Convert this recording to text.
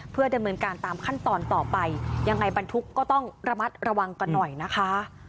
เพื่อดำเนินการตามขั้นตอนต่อไปยังไงบรรทุกก็ต้องระมัดระวังกันหน่อยนะคะ